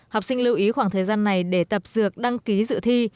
học sinh lưu ý khoảng thời gian này để tập dược đăng ký dự thi